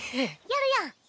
やるやん。